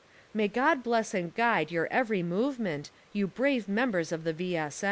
May God bless and guide your every movement, you brave members of the V.